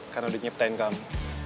karena udah nyeptain kamu